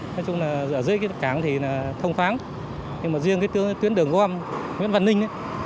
nói chung là ở dưới cái cảng thì là thông khoáng nhưng mà riêng cái tuyến đường nguyễn văn ninh